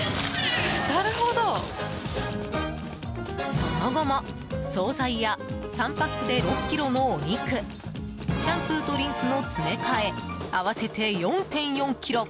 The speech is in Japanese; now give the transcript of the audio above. その後も、総菜や３パックで６ｋｇのお肉シャンプーとリンスの詰め替え合わせて４．４ｋｇ。